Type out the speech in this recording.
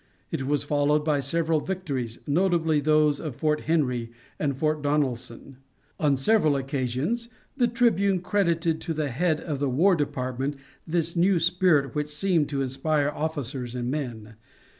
It was followed by several victories, notably those of Fort Henry and Fort Donelson. On several occasions the Tribune credited to the head of the War Department this new spirit which seemed to inspire officers and men.